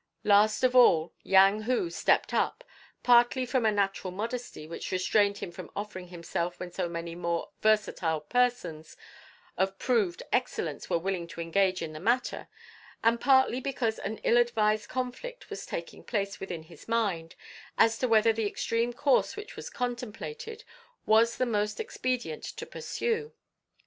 Last of all Yang Hu stepped up, partly from a natural modesty which restrained him from offering himself when so many more versatile persons of proved excellence were willing to engage in the matter, and partly because an ill advised conflict was taking place within his mind as to whether the extreme course which was contemplated was the most expedient to pursue.